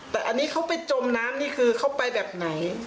แต่อันนี้เขาไปจมน้ำนี่คือเขาไปแบบไหน